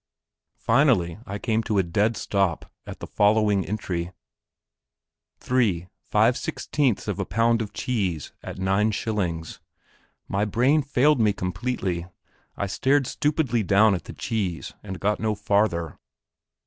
Finally, I came to a dead stop at the following entry "3. 5/16ths of a pound of cheese at 9d." My brain failed me completely; I stared stupidly down at the cheese, and got no farther.